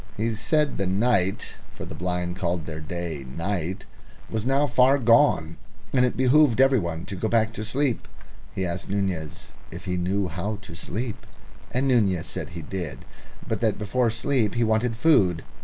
He said the night for the blind call their day night was now far gone, and it behoved every one to go back to sleep. He asked Nunez if he knew how to sleep, and Nunez said he did, but that before sleep he wanted food.